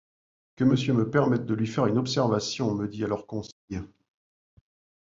Que monsieur me permette de lui faire une observation, me dit alors Conseil.